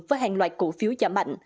với hàng loạt cổ phiếu giảm mạnh